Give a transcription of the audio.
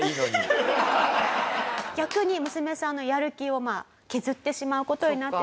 逆に娘さんのやる気をまあ削ってしまう事になってしまって。